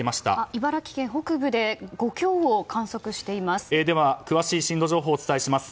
茨城県北部で５強を観測しています。